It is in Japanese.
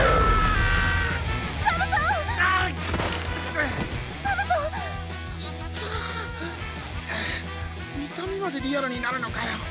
くっ痛みまでリアルになるのかよ。